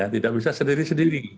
tidak bisa sendiri sendiri